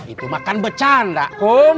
itu makan becanda kum